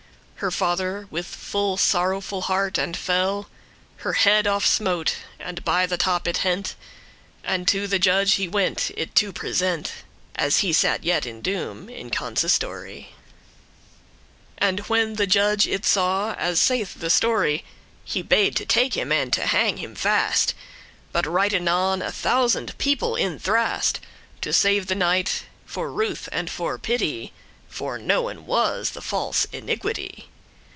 Her father, with full sorrowful heart and fell,* *stern, cruel Her head off smote, and by the top it hent,* *took And to the judge he went it to present, As he sat yet in doom* in consistory. *judgment And when the judge it saw, as saith the story, He bade to take him, and to hang him fast. But right anon a thousand people *in thrast* *rushed in* To save the knight, for ruth and for pity For knowen was the false iniquity.